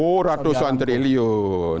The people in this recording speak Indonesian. oh ratusan triliun